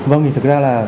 vâng thì thực ra là